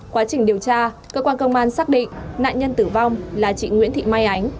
quá trình điều tra cơ quan công an xác định nạn nhân tử vong là chị nguyễn thị mai ánh